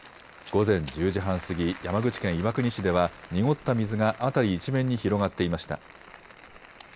午前１０時半過ぎ、山口県岩国市では、濁った水が辺り一面に広がっていました。